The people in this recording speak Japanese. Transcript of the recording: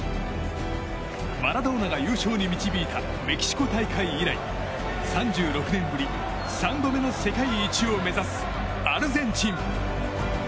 マラドーナが優勝に導いたメキシコ大会以来３６年ぶり３度目の世界一を目指すアルゼンチン。